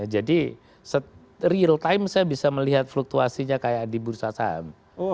jadi real time saya bisa melihat fluktuasinya kayak di bursa saham